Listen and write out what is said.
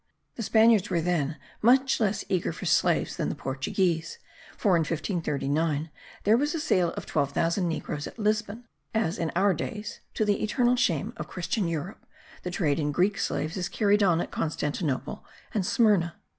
The Spaniards were then much less eager for slaves than the Portuguese; for, in 1539, there was a sale of 12,000 negroes at Lisbon, as in our days (to the eternal shame of Christian Europe) the trade in Greek slaves is carried on at Constantinople and Smyrna.